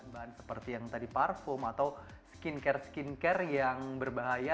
bahan seperti yang tadi parfum atau skincare skincare yang berbahaya